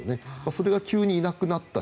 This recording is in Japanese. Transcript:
それが急にいなくなった。